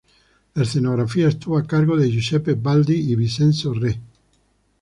La escenografía estuvo a cargo de Giuseppe Baldi y Vincenzo Re.